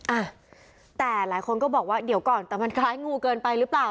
อ่ะแต่หลายคนก็บอกว่าเดี๋ยวก่อนแต่มันคล้ายงูเกินไปหรือเปล่า